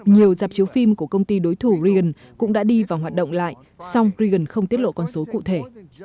nhiều giảm chiếu phim của công ty đối thủ reagan cũng đã đi vào hoạt động lại xong reagan không tiết lộ con số cụ thể